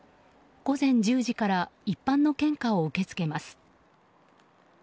午前１０時から一般の献花を受け付けます。